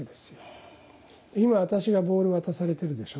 今私がボールを渡されてるでしょ。